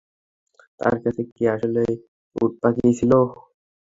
তার কাছে কি আসলেই উটপাখি ছিলো?